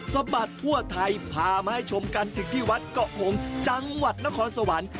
สะบัดทั่วไทยพามาให้ชมกันถึงที่วัดเกาะหงจังหวัดนครสวรรค์